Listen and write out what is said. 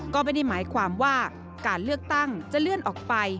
ก็ไม่ได้หมายความว่าการเลือกตั้งจะเลื่อนออกไป